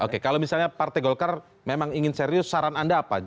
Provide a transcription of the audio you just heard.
oke kalau misalnya partai golkar memang ingin serius saran anda apa